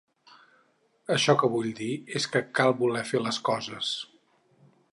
Això que vull dir és que cal voler fer les coses.